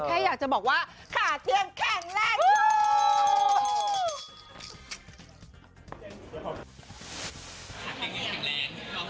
แค่อยากจะบอกว่าขาเตือนแข็งแรง